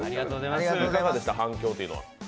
いかがでした、反響というのは？